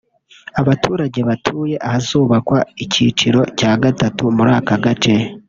Abaturage batuye ahazubakwa icyiciro cya gatatu muri aka gace